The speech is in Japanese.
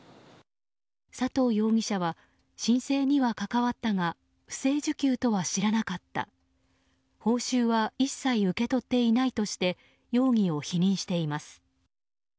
佐藤容疑者は申請には関わったが不正受給とは知らなかった報酬は一切受け取っていないとして容疑を否認しています。